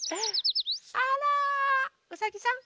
あらうさぎさん。